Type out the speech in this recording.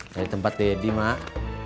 dari tempat daddy emak